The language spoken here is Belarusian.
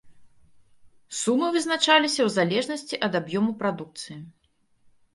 Сумы вызначаліся ў залежнасці ад аб'ёму прадукцыі.